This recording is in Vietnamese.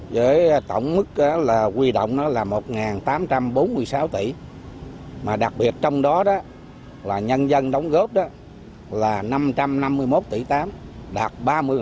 với tổng mức là quy động là một tám trăm bốn mươi sáu tỷ mà đặc biệt trong đó là nhân dân đóng góp là năm trăm năm mươi một tỷ tám đạt ba mươi